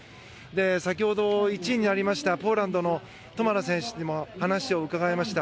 先ほど１位になりましたポーランドのトマラ選手にも話を伺いました。